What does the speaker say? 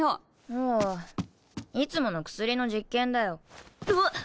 あいつもの薬の実験だようわっ。